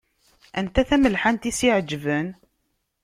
Anta tamelḥant i s-iɛeǧben?